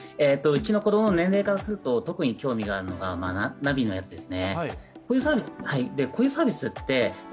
うちの子供の年齢からすると特に興味があるのがナビのやつです